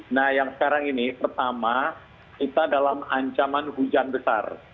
nah yang sekarang ini pertama kita dalam ancaman hujan besar